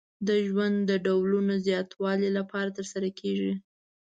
د ژوند د ډولونو د زیاتوالي لپاره ترسره کیږي.